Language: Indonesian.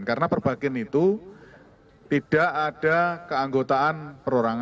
karena perbagin itu tidak ada keanggotaan perorangan